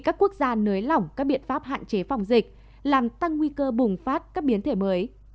các quốc gia nới lỏng các biện pháp hạn chế phòng dịch làm tăng nguy cơ bùng phát các biến thể mới